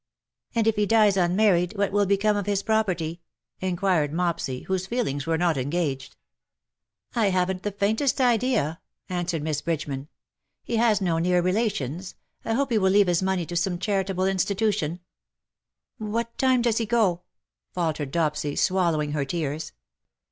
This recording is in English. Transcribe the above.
^' And if he dies unmarried what will become of his property ?'' inquired Mopsy, whose feelings were not engaged. " I haven't the faintest idea/' answered Miss B 2 4 *' WITH SUCH REMORSELESS SPEED Bridgeman. ^^ He has no near relations. I hope he ■will leave his money to some charitable institution/' " What time does he go ?" faltered Dopsy. swallowing her tears.